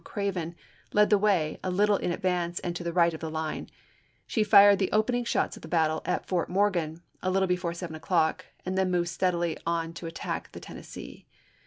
Craven, led the way a little in advance and to the right of the line ; she fired the openiDg shots of the battle at Fort Mor gan, a little before seven o'clock, and then moved steadily on to attack the Tennessee.